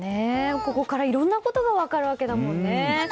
ここからいろんなことが分かるわけだもんね。